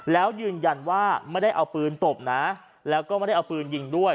แล้วยืนยันว่าไม่ได้เอาปืนตบนะแล้วก็ไม่ได้เอาปืนยิงด้วย